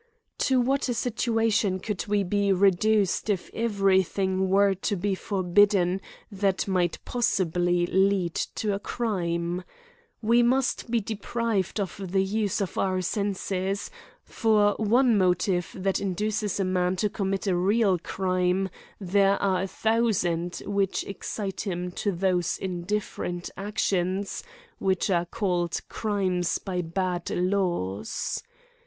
To what a situation should we be reduced if every thing were to be forbidden that mighc possibly lead to a crime ? We must be GRIMES AND PUNISHMENTS. I49 deprived of the use of our senses : for one motive that induces a man to commit a real crime, there are a thousand which excite him to those indif ferent actions which are called crimes by bad laws.